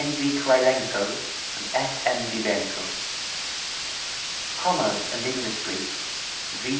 V. Krylenko, and F. M. Dybenko. Commerce and Industry: V.